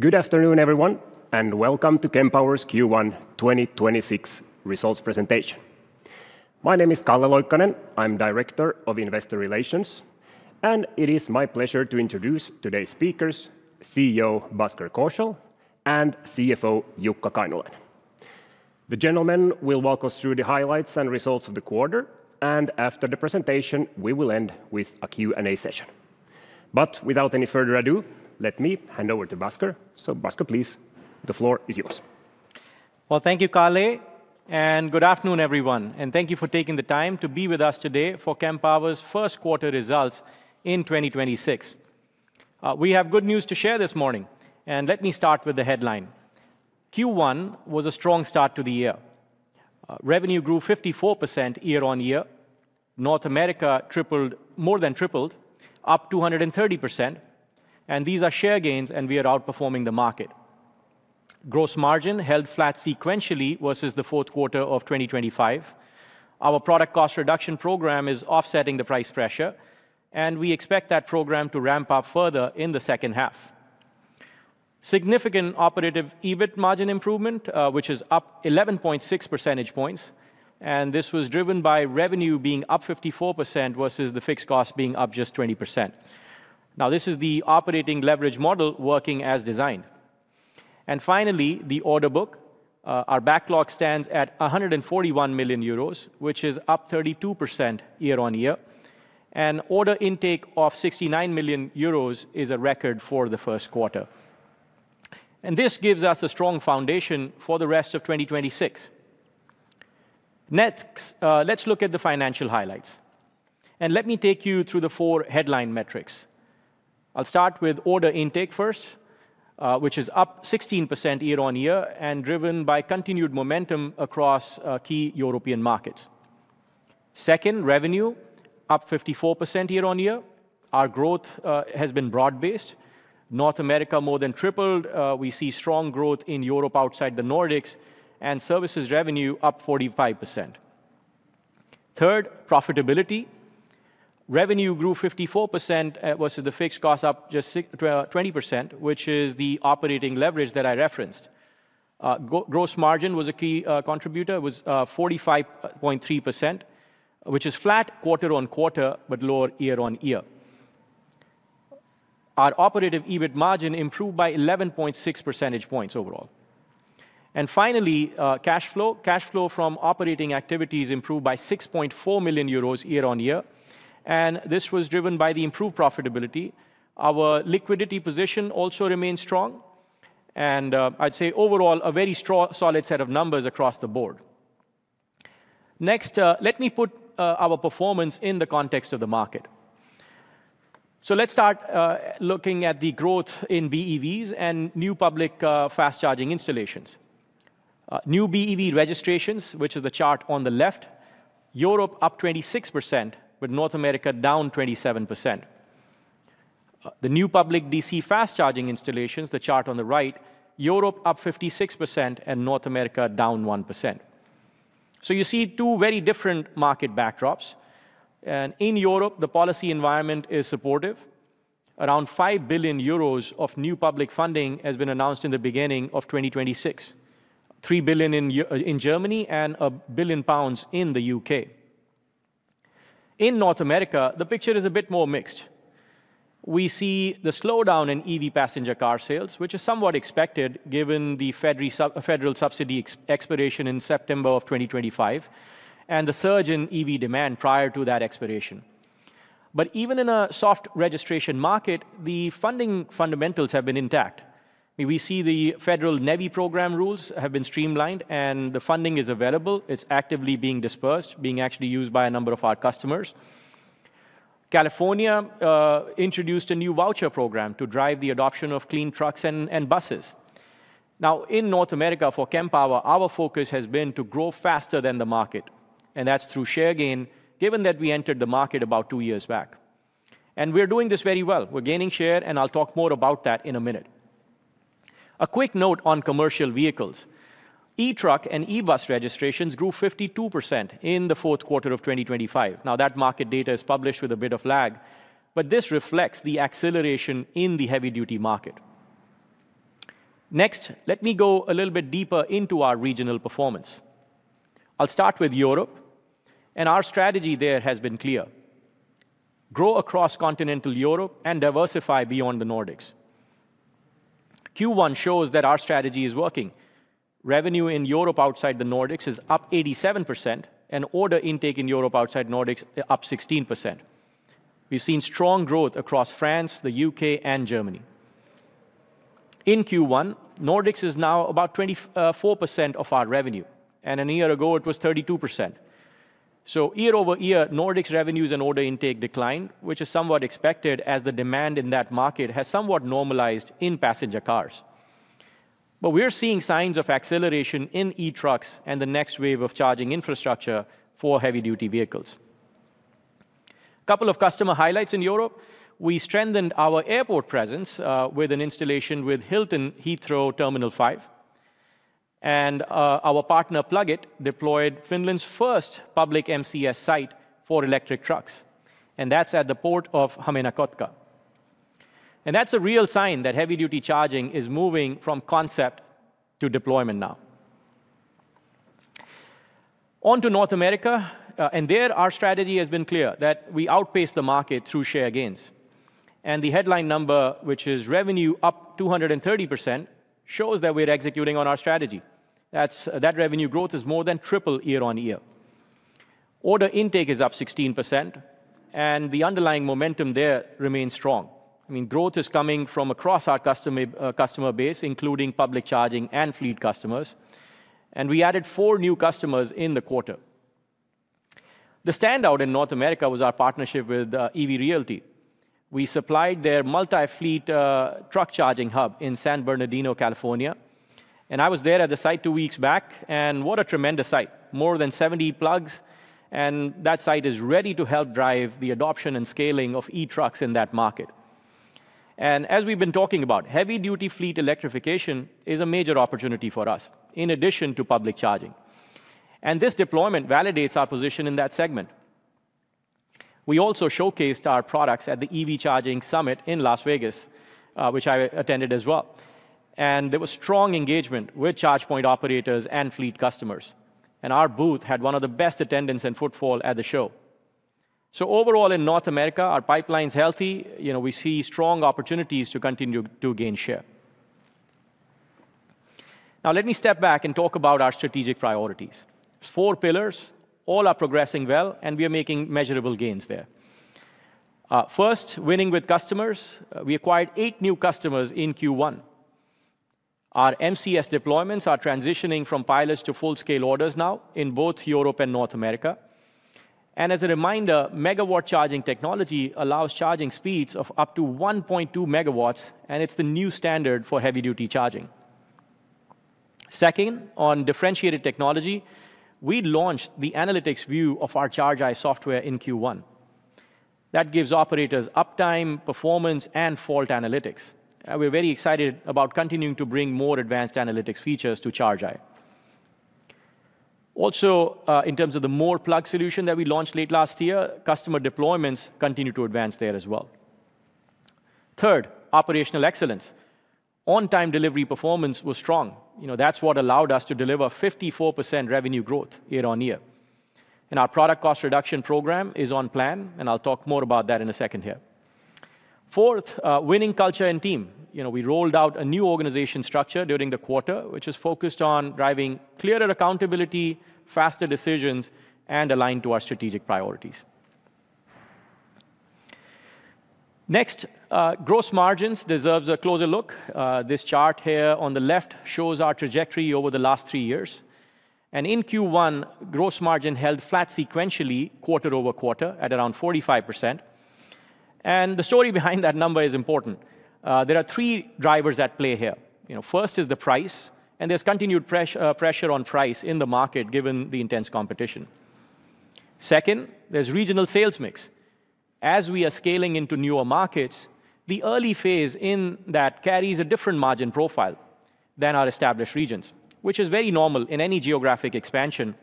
Good afternoon, everyone, and welcome to Kempower's Q1 2026 results presentation. My name is Calle Loikkanen. I'm Director of Investor Relations, and it is my pleasure to introduce today's speakers, CEO Bhasker Kaushal and CFO Jukka Kainulainen. The gentlemen will walk us through the highlights and results of the quarter, and after the presentation, we will end with a Q&A session. Without any further ado, let me hand over to Bhasker. Bhasker, please, the floor is yours. Well, thank you, Calle, and good afternoon, everyone. Thank you for taking the time to be with us today for Kempower's Q1 results in 2026. We have good news to share this morning, and let me start with the headline. Q1 was a strong start to the year. Revenue grew 54% year-on-year. North America tripled, more than tripled, up 230%. These are share gains, and we are outperforming the market. Gross margin held flat sequentially versus the Q4 of 2025. Our product cost reduction program is offsetting the price pressure. We expect that program to ramp up further in the H2. Significant Operating EBIT margin improvement, which is up 11.6 percentage points. This was driven by revenue being up 54% versus the fixed cost being up just 20%. Now, this is the operating leverage model working as designed. Finally, the order book. Our backlog stands at 141 million euros, which is up 32% year-on-year. Order intake of 69 million euros is a record for the Q1. This gives us a strong foundation for the rest of 2026. Next, let's look at the financial highlights. Let me take you through the four headline metrics. I'll start with order intake first, which is up 16% year-on-year and driven by continued momentum across key European markets. Second, revenue, up 54% year-on-year. Our growth has been broad-based. North America more than tripled. We see strong growth in Europe outside the Nordics and services revenue up 45%. Third, profitability. Revenue grew 54% versus the fixed cost up just 20%, which is the operating leverage that I referenced. Gross margin was a key contributor. It was 45.3%, which is flat quarter-on-quarter, but lower year-on-year. Our operating EBIT margin improved by 11.6 percentage points overall. Finally, cash flow. Cash flow from operating activities improved by 6.4 million euros year-on-year, and this was driven by the improved profitability. Our liquidity position also remains strong and, I'd say overall, a very strong, solid set of numbers across the board. Next, let me put our performance in the context of the market. Let's start looking at the growth in BEVs and new public fast charging installations. New BEV registrations, which is the chart on the left, Europe up 26%, with North America down 27%. The new public DC fast charging installations, the chart on the right, Europe up 56% and North America down 1%. You see two very different market backdrops. In Europe, the policy environment is supportive. Around 5 billion euros of new public funding has been announced in the beginning of 2026, 3 billion in Germany and 1 billion pounds in the U.K. In North America, the picture is a bit more mixed. We see the slowdown in EV passenger car sales, which is somewhat expected given the federal subsidy expiration in September of 2025 and the surge in EV demand prior to that expiration. Even in a soft registration market, the funding fundamentals have been intact. We see the federal NEVI program rules have been streamlined. The funding is available. It's actively being dispersed, being actually used by a number of our customers. California introduced a new voucher program to drive the adoption of clean trucks and buses. In North America for Kempower, our focus has been to grow faster than the market. That's through share gain, given that we entered the market about two years back. We're doing this very well. We're gaining share. I'll talk more about that in a minute. A quick note on commercial vehicles. E-truck and e-bus registrations grew 52% in the Q4 of 2025. That market data is published with a bit of lag. This reflects the acceleration in the heavy-duty market. Let me go a little bit deeper into our regional performance. I'll start with Europe, and our strategy there has been clear: grow across continental Europe and diversify beyond the Nordics. Q1 shows that our strategy is working. Revenue in Europe outside the Nordics is up 87%, and order intake in Europe outside Nordics up 16%. We've seen strong growth across France, the U.K., and Germany. In Q1, Nordics is now about 24% of our revenue, and a year ago it was 32%. Year-over-year, Nordics revenues and order intake decline, which is somewhat expected as the demand in that market has somewhat normalized in passenger cars. We're seeing signs of acceleration in e-trucks and the next wave of charging infrastructure for heavy-duty vehicles. Couple of customer highlights in Europe. We strengthened our airport presence with an installation with Hilton Heathrow Terminal 5. Our partner, Plugit, deployed Finland's first public MCS site for electric trucks, and that's at the Port of HaminaKotka. That's a real sign that heavy-duty charging is moving from concept to deployment now. On to North America, there our strategy has been clear, that we outpace the market through share gains. The headline number, which is revenue up 230%, shows that we're executing on our strategy. That revenue growth is more than triple year-on-year. Order intake is up 16%, and the underlying momentum there remains strong. I mean, growth is coming from across our customer customer base, including public charging and fleet customers, and we added four new customers in the quarter. The standout in North America was our partnership with EV Realty. We supplied their multi-fleet truck charging hub in San Bernardino, California. I was there at the site two weeks back, and what a tremendous site. More than 70 plugs, that site is ready to help drive the adoption and scaling of e-trucks in that market. As we've been talking about, heavy-duty fleet electrification is a major opportunity for us, in addition to public charging, and this deployment validates our position in that segment. We also showcased our products at the EV Charging Summit in Las Vegas, which I attended as well, and there was strong engagement with ChargePoint operators and fleet customers, and our booth had one of the best attendance and footfall at the show. Overall in North America, our pipeline's healthy. You know, we see strong opportunities to continue to gain share. Let me step back and talk about our strategic priorities. There's four pillars. All are progressing well, and we are making measurable gains there. First, winning with customers. We acquired eight new customers in Q1. Our MCS deployments are transitioning from pilots to full-scale orders now in both Europe and North America. As a reminder, megawatt charging technology allows charging speeds of up to 1.2 MW, and it's the new standard for heavy-duty charging. Second, on differentiated technology, we launched the analytics view of our ChargEye software in Q1. That gives operators uptime, performance, and fault analytics. We're very excited about continuing to bring more advanced analytics features to ChargEye. Also, in terms of the more plug solution that we launched late last year, customer deployments continue to advance there as well. Third, operational excellence. On-time delivery performance was strong. You know, that's what allowed us to deliver 54% revenue growth year-over-year. Our product cost reduction program is on plan, and I'll talk more about that in a second here. Fourth, winning culture and team. You know, we rolled out a new organization structure during the quarter, which is focused on driving clearer accountability, faster decisions, and aligned to our strategic priorities. Next, gross margins deserves a closer look. This chart here on the left shows our trajectory over the last three years. In Q1, gross margin held flat sequentially quarter-over-quarter at around 45%. The story behind that number is important. There are three drivers at play here. You know, first is the price, and there's continued pressure on price in the market given the intense competition. Second, there's regional sales mix. We are scaling into newer markets, the early phase in that carries a different margin profile than our established regions, which is very normal in any geographic expansion,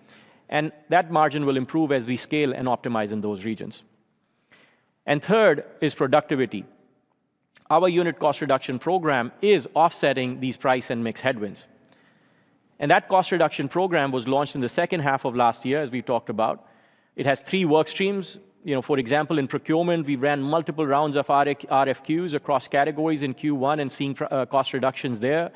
and that margin will improve as we scale and optimize in those regions. Third is productivity. Our unit cost reduction program is offsetting these price and mix headwinds. That cost reduction program was launched in the H2 of last year, as we've talked about. It has three work streams. You know, for example, in procurement, we ran multiple rounds of RFQs across categories in Q1 and seeing cost reductions there.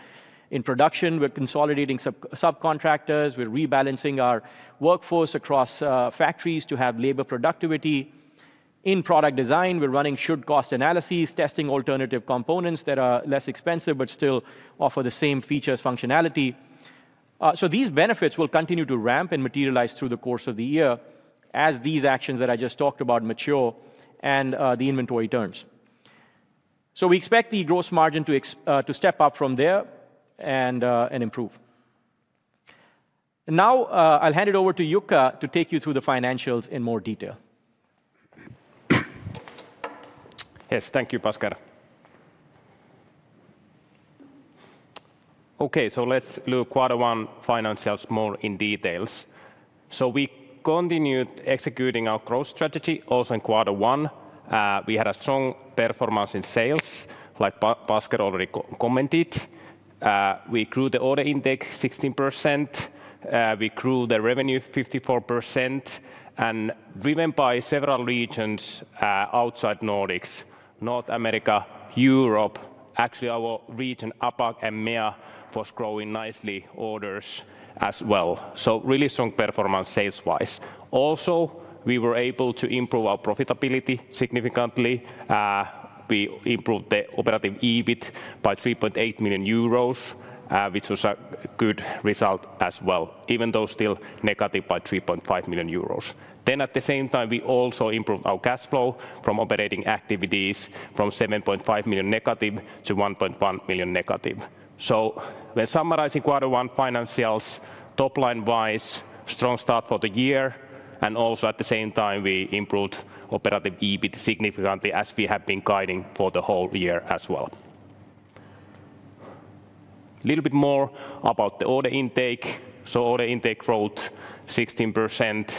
In production, we're consolidating subcontractors. We're rebalancing our workforce across factories to have labor productivity. In product design, we're running should-cost analyses, testing alternative components that are less expensive but still offer the same features, functionality. Also these benefits will continue to ramp and materialize through the course of the year as these actions that I just talked about mature and the inventory turns. We expect the gross margin to step up from there and improve. I'll hand it over to Jukka to take you through the financials in more detail. Yes. Thank you, Bhasker. Okay. Let's look Q1 financials more in details. We continued executing our growth strategy also in Q1. We had a strong performance in sales, like Bhasker already commented. We grew the order intake 16%. We grew the revenue 54% and driven by several regions, outside Nordics, North America, Europe. Actually, our region, APAC and MEA, was growing nicely orders as well. Really strong performance sales-wise. Also, we were able to improve our profitability significantly. We improved the Operating EBIT by 3.8 million euros, which was a good result as well, even though still negative by 3.5 million euros. At the same time, we also improved our cash flow from operating activities from 7.5 million negative to 1.1 million negative. When summarizing Q1 financials, top-line wise, strong start for the year and also at the same time, we improved Operating EBIT significantly as we have been guiding for the whole year as well. Little bit more about the order intake. Order intake growth 16%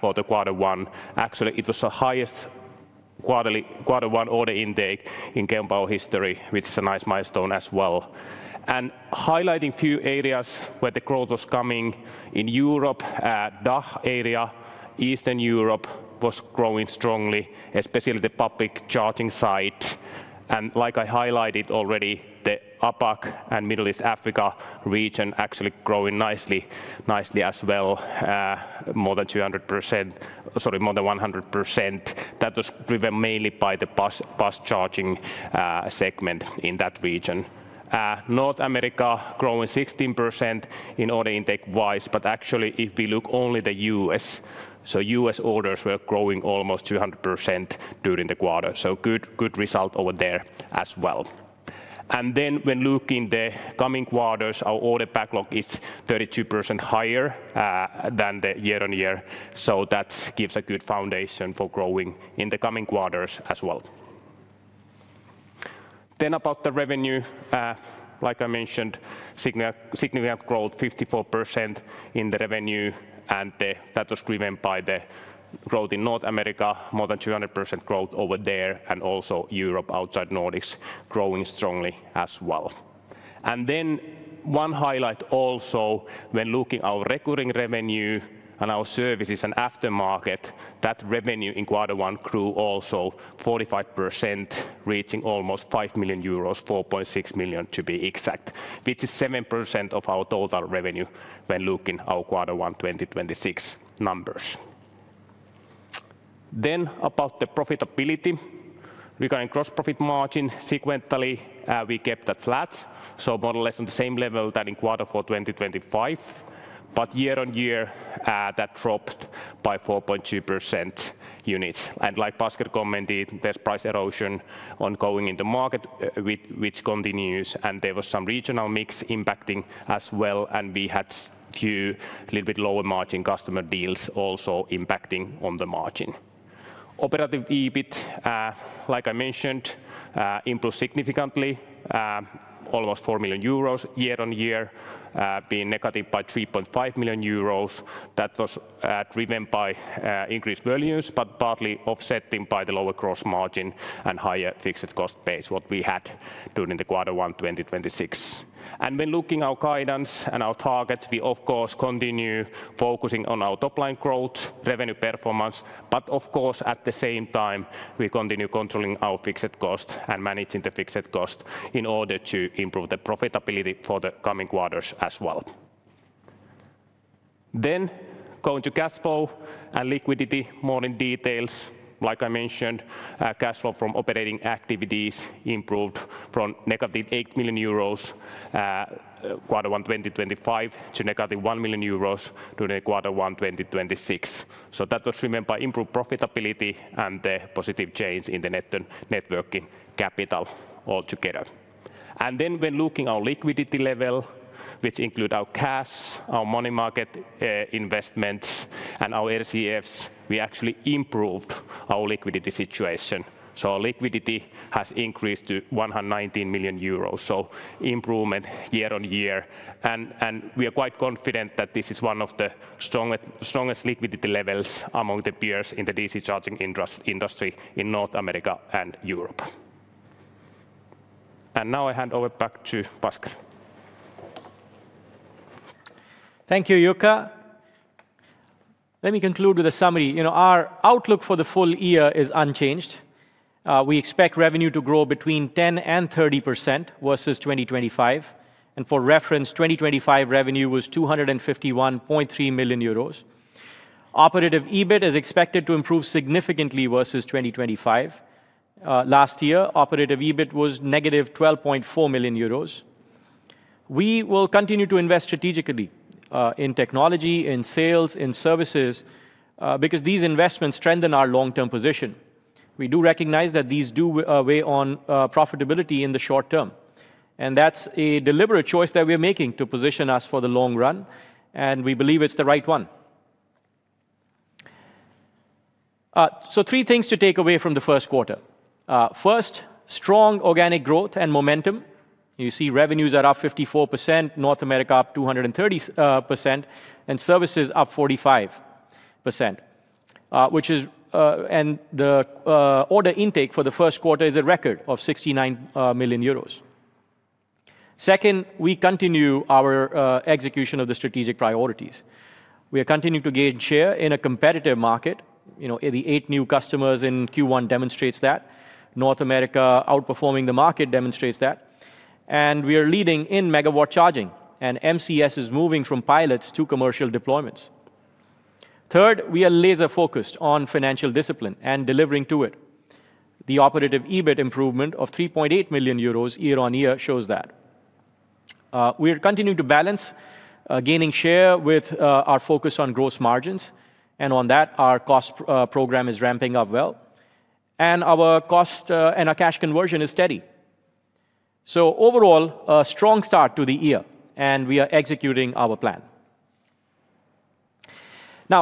for the Q1. Actually, it was the highest quarterly, Q1 order intake in Kempower history, which is a nice milestone as well. Highlighting few areas where the growth was coming in Europe, DACH area, Eastern Europe was growing strongly, especially the public charging side. Like I highlighted already, the APAC and Middle East Africa region actually growing nicely as well, more than 200% sorry, more than 100%. That was driven mainly by the bus charging segment in that region. North America growing 16% in order intake-wise, but actually, if we look only the U.S. U.S. orders were growing almost 200% during the quarter. Good result over there as well. When looking the coming quarters, our order backlog is 32% higher than the year-on-year, that gives a good foundation for growing in the coming quarters as well. About the revenue, like I mentioned, significant growth, 54% in the revenue, that was driven by the growth in North America, more than 200% growth over there, and also Europe outside Nordics growing strongly as well. One highlight also when looking our recurring revenue and our services and aftermarket, that revenue in Q1 grew also 45%, reaching almost 5 million euros, 4.6 million to be exact, which is 7% of our total revenue when looking our Q1 2026 numbers. About the profitability, regarding gross profit margin sequentially, we kept that flat, so more or less on the same level than in Q4 2025. Year-over-year, that dropped by 4.2 percentage points. Like Bhasker commented, there's price erosion ongoing in the market which continues, and there was some regional mix impacting as well, and we had few little bit lower margin customer deals also impacting on the margin. Operating EBIT, like I mentioned, improved significantly, almost 4 million euros year-on-year, being negative by 3.5 million euros. That was driven by increased volumes, but partly offsetting by the lower gross margin and higher fixed cost base, what we had during the Q1 2026. When looking our guidance and our targets, we of course continue focusing on our top-line growth, revenue performance, but of course, at the same time, we continue controlling our fixed cost and managing the fixed cost in order to improve the profitability for the coming quarters as well. Going to cash flow and liquidity, more in details. Like I mentioned, cash flow from operating activities improved from negative 8 million euros Q1 2025 to negative 1 million euros during Q1 2026. That was driven by improved profitability and the positive change in the net working capital altogether. When looking our liquidity level, which include our cash, our money market investments, and our RCFs, we actually improved our liquidity situation. Our liquidity has increased to 119 million euros, so improvement year-on-year. We are quite confident that this is one of the strongest liquidity levels among the peers in the DC charging industry in North America and Europe. Now I hand over back to Bhasker. Thank you, Jukka. Let me conclude with a summary. You know, our outlook for the full year is unchanged. We expect revenue to grow between 10% and 30% versus 2025. For reference, 2025 revenue was 251.3 million euros. Operating EBIT is expected to improve significantly versus 2025. Last year, Operating EBIT was negative 12.4 million euros. We will continue to invest strategically in technology, in sales, in services, because these investments strengthen our long-term position. We do recognize that these do weigh on profitability in the short term, and that's a deliberate choice that we are making to position us for the long run, and we believe it's the right one. Three things to take away from the Q1. First, strong organic growth and momentum. You see revenues are up 54%, North America up 230%, and services up 45%. Which is, and the order intake for the Q1 is a record of 69 million euros. Second, we continue our execution of the strategic priorities. We are continuing to gain share in a competitive market. You know, the eight new customers in Q1 demonstrates that. North America outperforming the market demonstrates that. We are leading in megawatt charging, and MCS is moving from pilots to commercial deployments. Third, we are laser-focused on financial discipline and delivering to it. The Operating EBIT improvement of 3.8 million euros year-over-year shows that. We are continuing to balance gaining share with our focus on gross margins, and on that, our cost program is ramping up well. Our cost and our cash conversion is steady. Overall, a strong start to the year, and we are executing our plan.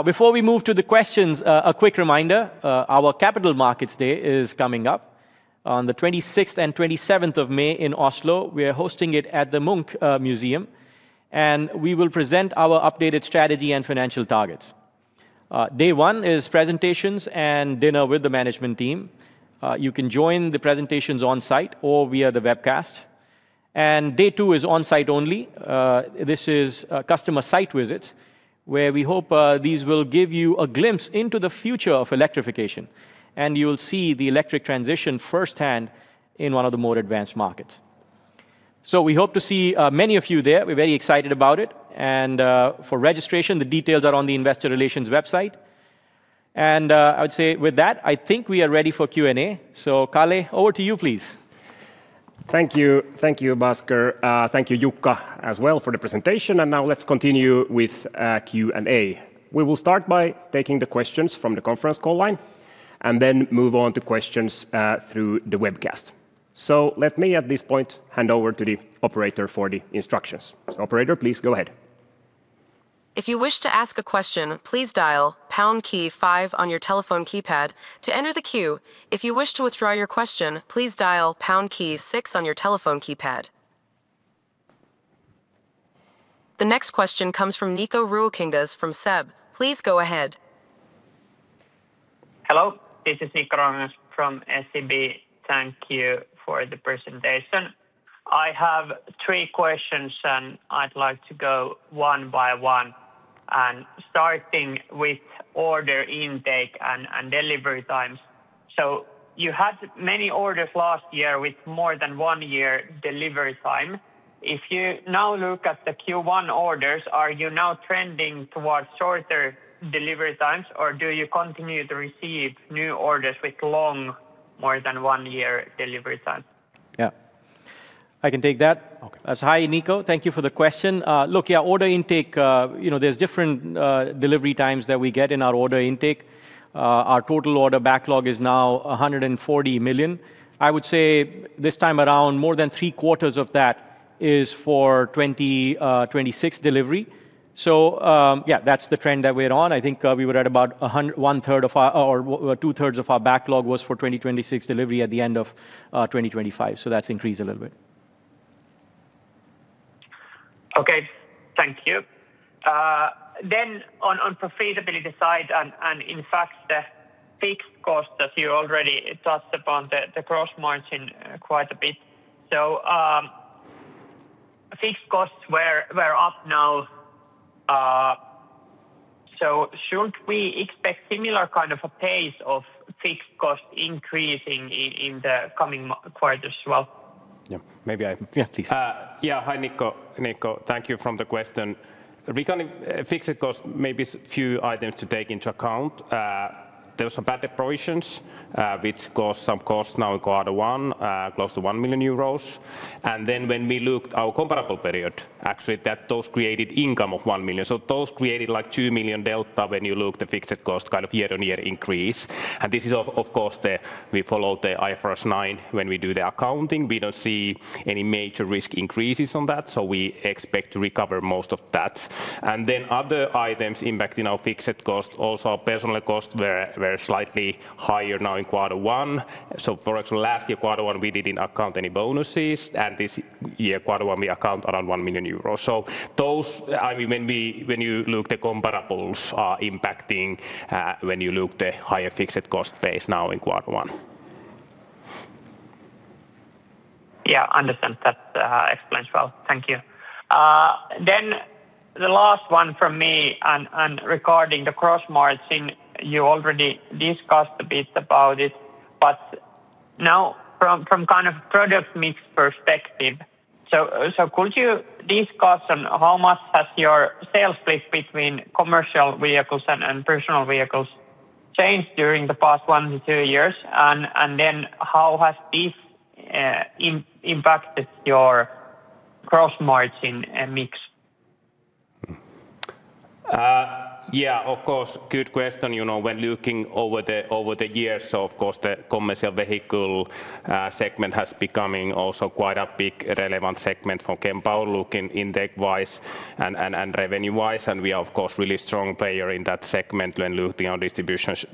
Before we move to the questions, a quick reminder, our Capital Markets Day is coming up on the 26th and 27th of May in Oslo. We are hosting it at the Munch Museum, and we will present our updated strategy and financial targets. Day one is presentations and dinner with the management team. You can join the presentations on site or via the webcast. Day two is on site only. This is customer site visits, where we hope these will give you a glimpse into the future of electrification, and you'll see the electric transition firsthand in one of the more advanced markets. We hope to see many of you there. We're very excited about it and, for registration, the details are on the investor relations website. I would say with that, I think we are ready for Q&A. Calle, over to you please. Thank you. Thank you, Bhasker. Thank you, Jukka, as well for the presentation. Now let's continue with Q&A. We will start by taking the questions from the conference call line, and then move on to questions through the webcast. Let me at this point, hand over to the operator for the instructions. Operator, please go ahead. If you wish to ask a question, please dial pound key five on your telephone keypad to enter the queue. If you wish to end the question, please dial pound key six on your telephone keypad. The next question comes from Nikko Ruokangas from SEB. Please go ahead. Hello, this is Nikko Ruokangas from SEB. Thank you for the presentation. I have three questions, and I'd like to go one by one, and starting with order intake and delivery times. You had many orders last year with more than one year delivery time. If you now look at the Q1 orders, are you now trending towards shorter delivery times or do you continue to receive new orders with long more than one year delivery time? Yeah. I can take that. Okay. Hi, Nikko. Thank you for the question. Look, you know, there's different delivery times that we get in our order intake. Our total order backlog is now 140 million. I would say this time around, more than three-quarters of that is for 2026 delivery. That's the trend that we're on. I think, we were at about one third of our, or two-thirds of our backlog was for 2026 delivery at the end of 2025. That's increased a little bit. Okay. Thank you. On profitability side and in fact, the fixed costs that you already touched upon the gross margin quite a bit. Fixed costs were up now, should we expect similar kind of a pace of fixed costs increasing in the coming quarters as well? Yeah, maybe I- Yeah, please. Hi, Nikko. Nikko, thank you for the question. Regarding fixed cost, maybe few items to take into account. There was some bad provisions, which caused some cost now in Q1, close to 1 million euros. When we looked our comparable period, actually that those created income of 1 million. Those created like 2 million delta when you look the fixed cost kind of year-on-year increase. This is of course, we follow the IFRS 9 when we do the accounting. We don't see any major risk increases on that, so we expect to recover most of that. Other items impacting our fixed cost also personal costs were slightly higher now in Q1. For last year Q1, we didn't account any bonuses, this year Q1 we account around 1 million euros. Those, I mean, when you look the comparables are impacting, when you look the higher fixed cost base now in Q1. Yeah, understand that. explains well. Thank you. The last one from me and regarding the gross margin, you already discussed a bit about it. Now from kind of product mix perspective, so could you discuss on how much has your sales split between commercial vehicles and personal vehicles changed during the past one to two years? Then how has this impacted your gross margin and mix? Yeah, of course. Good question. You know, when looking over the years, of course, the commercial vehicle segment has becoming also quite a big relevant segment for Kempower, looking intake-wise and revenue-wise. We are of course, really strong player in that segment when looking our distributions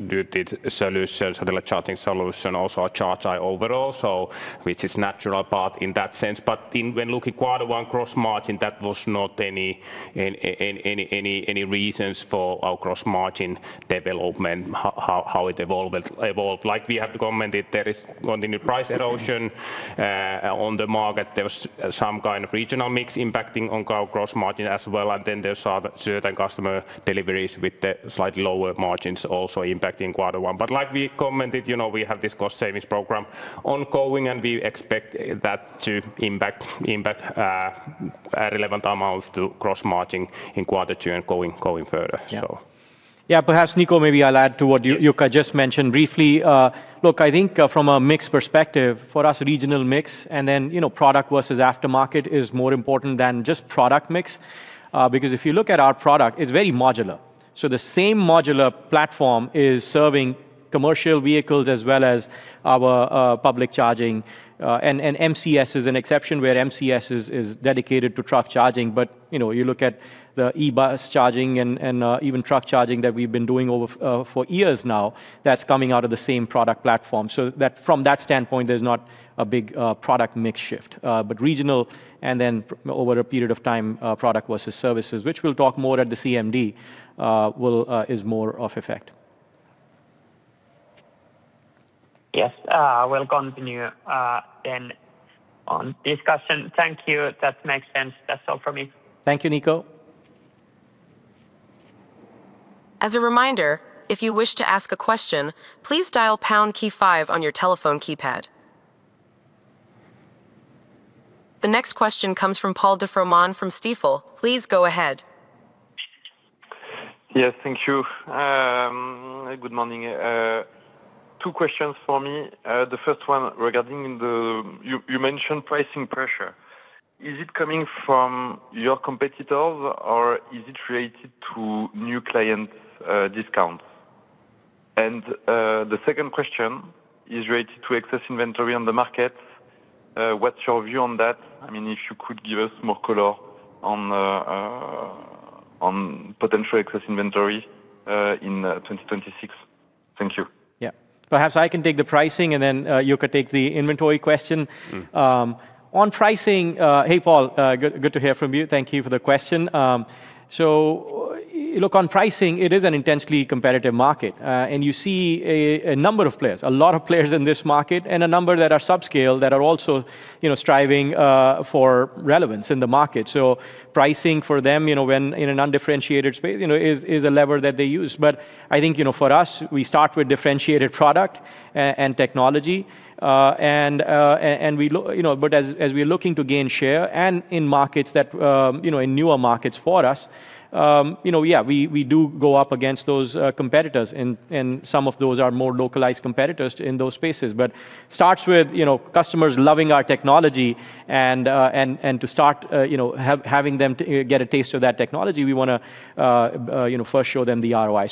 solutions, charging solution, also our ChargEye overall. Which is natural path in that sense. In when looking Q1 gross margin, that was not any reasons for our gross margin development, how it evolved. Like we have commented, there is continued price erosion on the market. There was some kind of regional mix impacting on our gross margin as well, there's certain customer deliveries with the slightly lower margins also impacting Q1. Like we commented, you know, we have this cost savings program ongoing, and we expect that to impact relevant amounts to gross margin in Q2 and going further. Yeah, perhaps Nikko, maybe I'll add to what Jukka just mentioned briefly. Look, I think, from a mix perspective, for us regional mix and then, you know, product versus aftermarket is more important than just product mix. Because if you look at our product, it's very modular. So the same modular platform is serving commercial vehicles as well as our public charging. And MCS is an exception, where MCS is dedicated to truck charging. You know, you look at the e-bus charging and even truck charging that we've been doing over for years now, that's coming out of the same product platform. That from that standpoint, there's not a big product mix shift. But regional and then over a period of time, product versus services, which we'll talk more at the CMD, is more of effect. Yes. We'll continue, then on discussion. Thank you. That makes sense. That's all for me. Thank you, Nikko. As a reminder if you wish to ask a question, please dial pound key five on your telephone keypad. The next question comes from Paul de Froment from Stifel. Please go ahead. Yes. Thank you. Good morning. Two questions for me. The first one. You mentioned pricing pressure. Is it coming from your competitors, or is it related to new clients', discounts? The second question is related to excess inventory on the market. What's your view on that? I mean, if you could give us more color on the on potential excess inventory in 2026. Thank you. Yeah. Perhaps I can take the pricing, and then, Jukka take the inventory question. On pricing. Hey, Paul, good to hear from you. Thank you for the question. Look, on pricing, it is an intensely competitive market, and you see a number of players, a lot of players in this market, and a number that are subscale that are also, you know, striving for relevance in the market. Pricing for them, you know, when in an undifferentiated space, you know, is a lever that they use. But I think, you know, for us, we start with differentiated product and technology. As we're looking to gain share, and in markets that, you know, in newer markets for us, you know, yeah, we do go up against those competitors and some of those are more localized competitors in those spaces. Starts with, you know, customers loving our technology and to start, you know, having them to get a taste of that technology, we wanna, you know, first show them the ROI.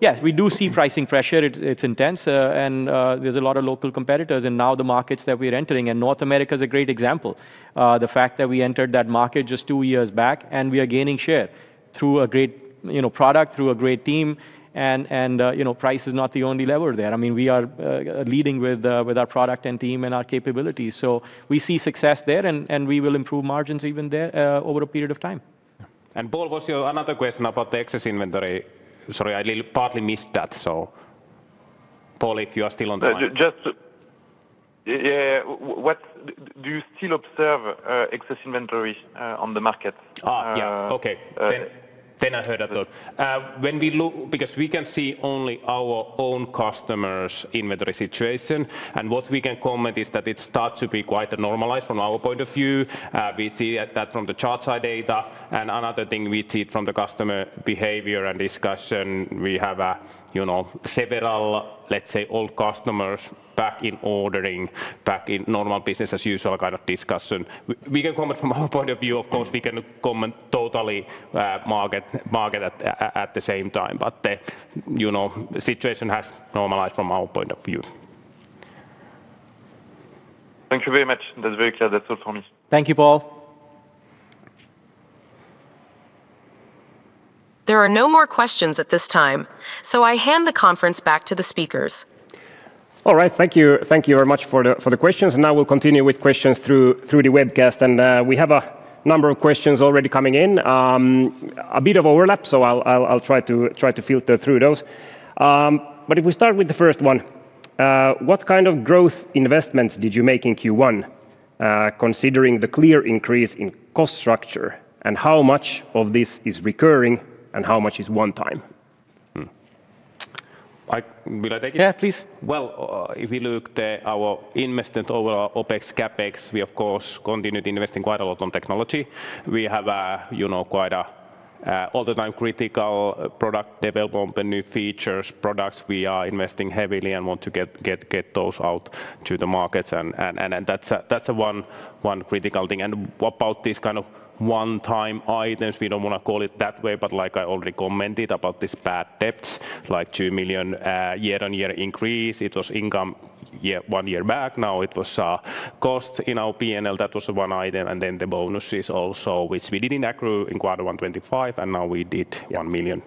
Yeah, we do see pricing pressure. It's, it's intense, and there's a lot of local competitors in now the markets that we're entering, and North America is a great example. The fact that we entered that market just two years back, and we are gaining share through a great, you know, product, through a great team, and, you know, price is not the only lever there. I mean, we are leading with our product and team and our capabilities. We see success there, and we will improve margins even there over a period of time. Paul, what's your another question about the excess inventory? Sorry, I partly missed that. Paul, if you are still on the line. Just, yeah, do you still observe excess inventory on the market? Yeah. Okay. I heard that though. Because we can see only our own customers' inventory situation, and what we can comment is that it starts to be quite normalized from our point of view. We see that from the chart side data. Another thing we see from the customer behavior and discussion, we have, you know, several, let's say, old customers back in ordering, back in normal business as usual kind of discussion. We can comment from our point of view. Of course, we cannot comment totally market at the same time. You know, the situation has normalized from our point of view. Thank you very much. That's very clear. That's all from me. Thank you, Paul. There are no more questions at this time, so I hand the conference back to the speakers. All right. Thank you. Thank you very much for the questions, and now we'll continue with questions through the webcast. We have a number of questions already coming in. A bit of overlap, so I'll try to filter through those. If we start with the first one, what kind of growth investments did you make in Q1, considering the clear increase in cost structure, and how much of this is recurring and how much is one time? Will I take it? Yeah, please. Well, if you look our investment over our OpEx, CapEx, we of course continued investing quite a lot on technology. We have, you know, quite a all-the-time critical product development and new features, products we are investing heavily and want to get those out to the markets and that's a one critical thing. About this kind of one-time items, we don't wanna call it that way, but like I already commented about this bad debt, like 2 million year-on-year increase, it was income year, one year back. Now it was costs in our P&L. That was one item. The bonuses also, which we didn't accrue in Q1 2025, and now we did 1 million.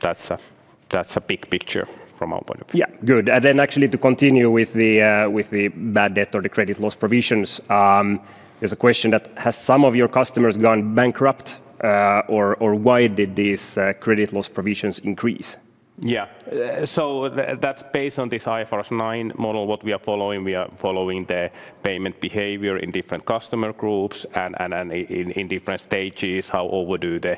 That's a big picture from our point of view. Yeah. Good. Actually to continue with the bad debt or the credit loss provisions, there's a question that, has some of your customers gone bankrupt? Or, or why did these credit loss provisions increase? That's based on this IFRS 9 model what we are following. We are following the payment behavior in different customer groups and in different stages, how overdue the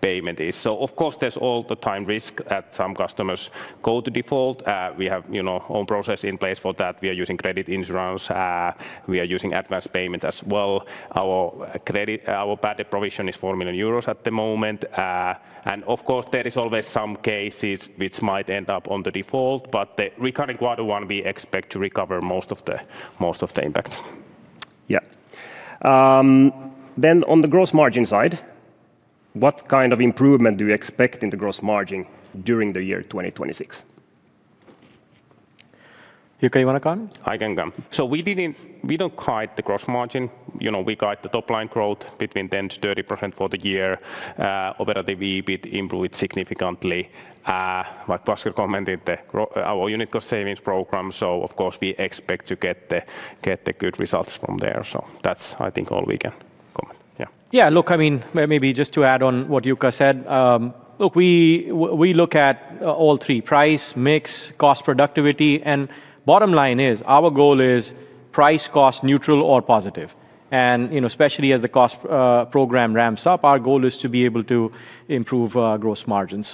payment is. Of course there's all the time risk that some customers go to default. We have, you know, own process in place for that. We are using credit insurance. We are using advanced payments as well. Our credit, our bad debt provision is 4 million euros at the moment. Of course there is always some cases which might end up on the default, but the recurring Q1 we expect to recover most of the impact. Yeah, on the gross margin side, what kind of improvement do you expect in the gross margin during the year 2026? Jukka, you wanna go? I can go. We didn't, we don't guide the gross margin. You know, we guide the top-line growth between 10% to 30% for the year. Operating EBIT improved significantly. What Bhasker commented, our unit cost savings program, of course, we expect to get the good results from there. That's, I think, all we can comment. Yeah. Look, I mean, maybe just to add on what Jukka said, look, we look at all three: price, mix, cost productivity. Bottom line is our goal is price cost neutral or positive. Especially as the cost program ramps up, our goal is to be able to improve gross margin.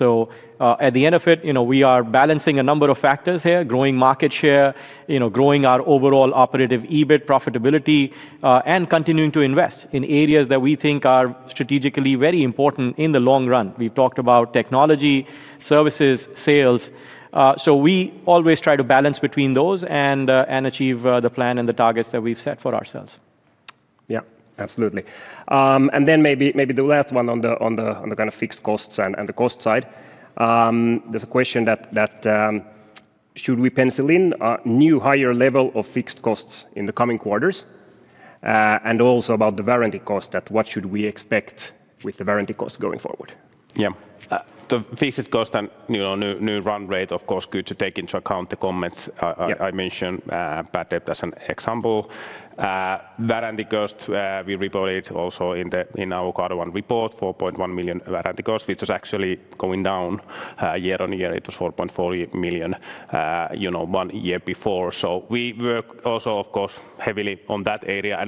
At the end of it, you know, we are balancing a number of factors here, growing market share, you know, growing our overall Operating EBIT profitability, and continuing to invest in areas that we think are strategically very important in the long run. We've talked about technology, services, sales. We always try to balance between those and achieve the plan and the targets that we've set for ourselves. Yeah. Absolutely. Maybe the last one on the kind of fixed costs and the cost side. There's a question that should we pencil in a new higher level of fixed costs in the coming quarters? About the warranty cost that what should we expect with the warranty cost going forward? Yeah. The fixed cost and, you know, new run rate, of course, good to take into account the comments. Yeah. I mentioned bad debt as an example. That and the cost we reported also in our Q1 report, 4.1 million warranty cost, which was actually going down year-over-year. It was 4.4 million, you know, one year before. We work also, of course, heavily on that area.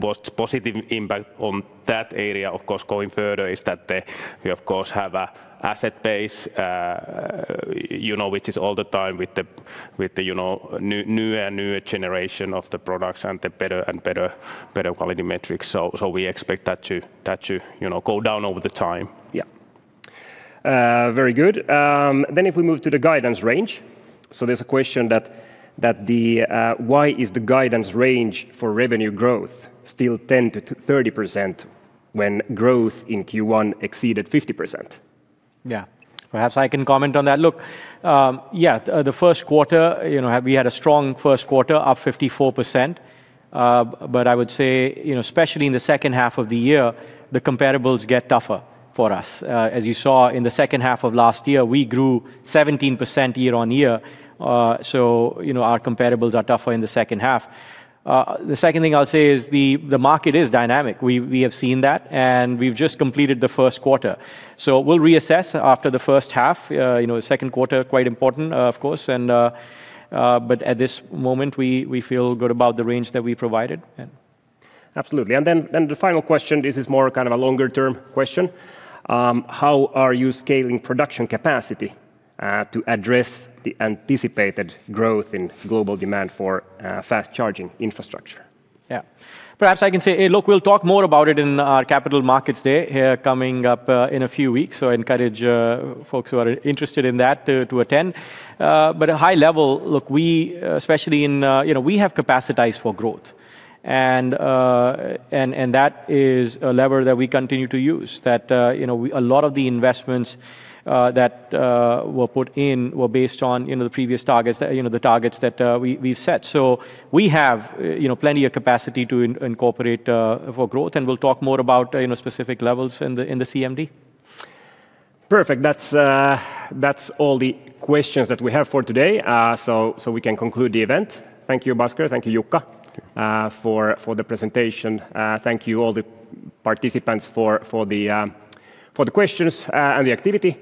What's positive impact on that area, of course, going further is that we of course have a asset base, you know, which is all the time with the new and newer generation of the products and the better quality metrics. We expect that to, you know, go down over the time. Yeah. Very good. If we move to the guidance range. There's a question that the, why is the guidance range for revenue growth still 10%-30% when growth in Q1 exceeded 50%? Yeah. Perhaps I can comment on that. Look, yeah, the Q1, you know, we had a strong Q1, up 54%. I would say, you know, especially in the H2 of the year, the comparables get tougher for us. As you saw in the H2 of last year, we grew 17% year-on-year. Our comparables are tougher in the H2. The second thing I'll say is the market is dynamic. We have seen that, and we've just completed the Q1. We'll reassess after the H1. You know, Q2 quite important, of course. At this moment, we feel good about the range that we provided. Yeah. Absolutely. And the final question, this is more kind of a longer term question. How are you scaling production capacity to address the anticipated growth in global demand for fast charging infrastructure? Yeah. Perhaps I can say, look, we'll talk more about it in our Capital Markets Day, coming up in a few weeks. I encourage folks who are interested in that to attend. At high level, look, we, especially in, you know, we have capacitized for growth, and that is a lever that we continue to use, that, you know, we, a lot of the investments that were put in were based on, you know, the previous targets that, you know, the targets that we've set. We have, you know, plenty of capacity to incorporate for growth, and we'll talk more about, you know, specific levels in the CMD. Perfect. That's all the questions that we have for today. We can conclude the event. Thank you, Bhasker. Thank you, Jukka, for the presentation. Thank you all the participants for the questions and the activity.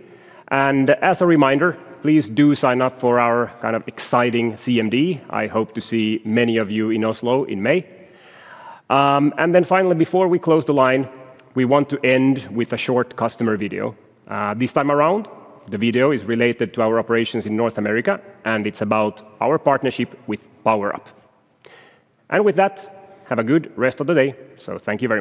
As a reminder, please do sign up for our kind of exciting CMD. I hope to see many of you in Oslo in May. Finally, before we close the line, we want to end with a short customer video. This time around, the video is related to our operations in North America, and it's about our partnership with PowerUp. With that, have a good rest of the day. Thank you very much.